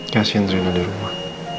kasian rina di rumah